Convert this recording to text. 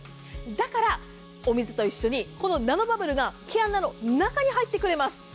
だから、お水と一緒にナノバブルが毛穴の中に入ってくれます。